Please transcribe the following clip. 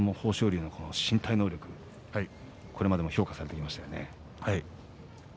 豊昇龍の身体能力これも評価されていましたね。